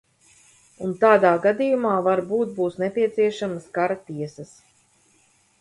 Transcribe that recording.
Un tādā gadījumā varbūt būs nepieciešamas kara tiesas.